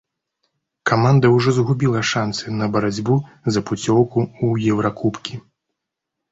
Каманда ўжо згубіла шанцы на барацьбу за пуцёўку ў еўракубкі.